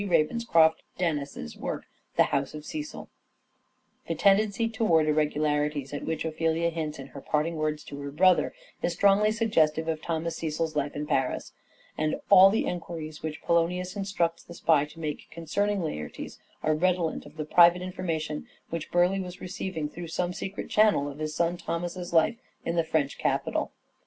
Ravenscroft Dennis's work on " The House of Cecil." The tendency towards irregularities, at which Ophelia hints in her parting words to her brother, is strongly suggestive of Thomas Cecil's life in Paris ; and all the enquiries which Polonius instructs the spy to make concerning Laertes are redolent of the private information which Burleigh was receiving, through some secret channel, of his son Thomas's life in the French capital.